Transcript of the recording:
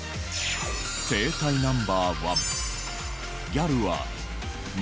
生態ナンバー１